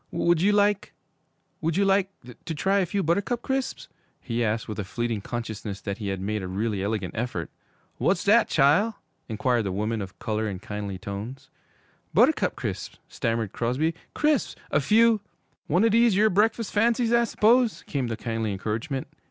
'Would you like would you like to try a few Buttercup Crisps?' he asked, with a fleeting consciousness that he had made a really elegant effort. 'W'at's dat, chile?' inquired the woman of color in kindly tones. 'Buttercup Crisps!' stammered Crosby. 'Crisps! A few ' 'One o' dese yere breakfus' fancies, I s'pose?' came the kindly encouragement.